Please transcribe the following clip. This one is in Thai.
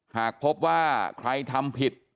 หากพบว่าใครทำผิด